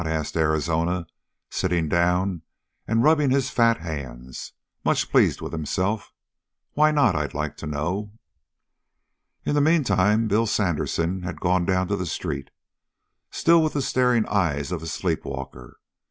asked Arizona, sitting down and rubbing his fat hands, much pleased with himself. "Why not, I'd like to know?" In the meantime Bill Sandersen had gone down to the street, still with the staring eyes of a sleep walker.